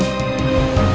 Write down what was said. aku punya daya